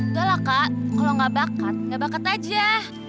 udah lah kak kalo gak bakat gak bakat aja